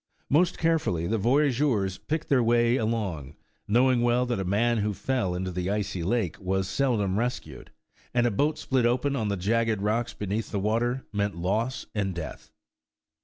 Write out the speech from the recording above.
Most carefully the voyageurs picked their way along, knowing well that a man who fell into the icy lake was seldom rescued, and a boat split open on the jagged rocks beneath the water, meant loss and death.